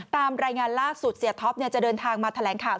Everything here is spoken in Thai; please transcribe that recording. ตามรายงานล่าสุดเสียท็อปจะเดินทางมาแถลงข่าว